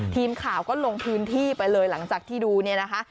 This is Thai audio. ทีมข่าวก็ลงพื้นที่ไปเลยหลังจากที่ดูเนี่ยนะคะ